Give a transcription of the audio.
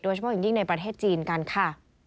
เฉพาะอย่างยิ่งในประเทศจีนกันค่ะ